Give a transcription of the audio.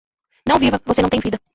Não viva, você não tem vida